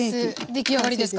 出来上がりですか？